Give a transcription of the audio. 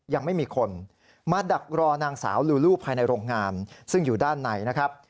ยังไม่มีคนมาดักรอนางสาวลูลูภายในโรงงานซึ่งอยู่ด้านในนะครับ